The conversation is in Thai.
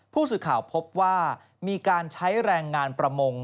ผู้สื่อข่าวพบว่ามีการใช้แรงงานประมง